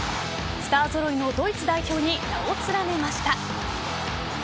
スター揃いのドイツ代表に名を連ねました。